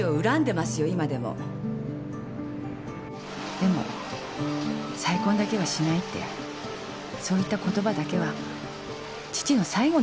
でも「再婚だけはしない」ってそう言った言葉だけは父の最後の誠意だと思ってるんです。